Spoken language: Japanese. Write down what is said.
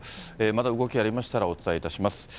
また動きがありましたらお伝えいたします。